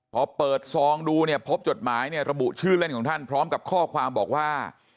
พอเปิดซองดูเนี่ยพบจดหมายเนี่ยระบุชื่อเล่นของท่านพร้อมกับข้อความบอกว่า